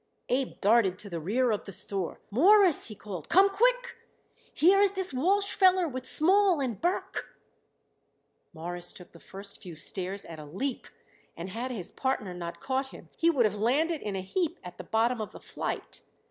Abe darted to the rear of the store. "Mawruss," he called, "come quick! Here is this Walsh feller with Small and Burke." Morris took the first few stairs at a leap, and had his partner not caught him he would have landed in a heap at the bottom of the flight.